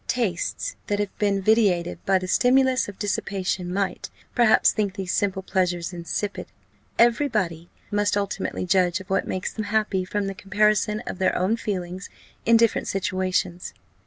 Tastes that have been vitiated by the stimulus of dissipation might, perhaps, think these simple pleasures insipid. Every body must ultimately judge of what makes them happy, from the comparison of their own feelings in different situations.